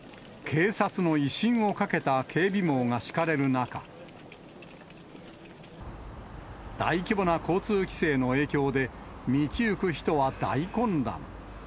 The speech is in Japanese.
警察の威信をかけた警備網が敷かれる中、大規模な交通規制の影響で、道行く人は大混乱。